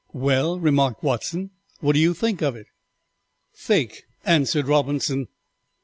"] "Well," remarked Watson, "what do you think of it?" "Fake," answered Robinson.